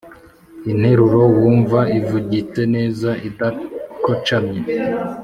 interuro wumva ivugitse neza idakocamye.